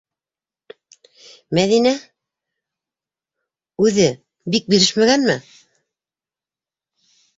- Мәҙинә... үҙе... бик бирешмәгәнме?